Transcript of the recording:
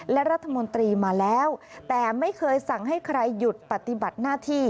และรัฐมนตรีมาแล้วแต่ไม่เคยสั่งให้ใครหยุดปฏิบัติหน้าที่